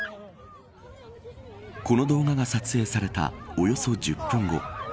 この動画が撮影されたおよそ１０分後。